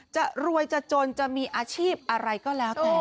จะรวยจะจนจะมีอาชีพอะไรก็แล้วแต่